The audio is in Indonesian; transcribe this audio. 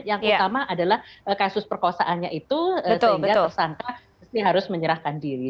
yang pertama adalah kasus perkosaannya itu sehingga tersangka harus menyerahkan diri